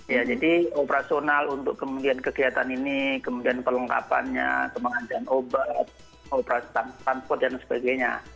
ya jadi operasional untuk kemudian kegiatan ini kemudian kelengkapannya kementerian obat operasi transport dan sebagainya